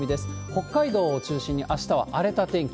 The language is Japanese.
北海道を中心にあしたは荒れた天気。